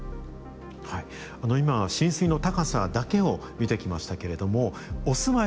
今浸水の高さだけを見てきましたけれどもそうなんですね。